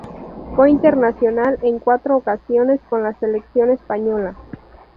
Fue internacional en cuatro ocasiones con la selección española.